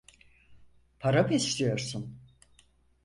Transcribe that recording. Para mı istiyorsun?